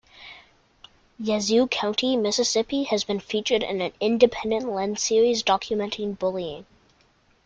Yazoo County, Mississippi has been featured in an Independent Lens series documenting bullying.